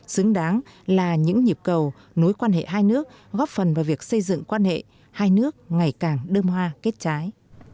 xứng đáng là những nhịp cầu mối quan hệ hai nước góp phần vào việc xây dựng quan hệ hai nước ngày càng đơm hoa kết trái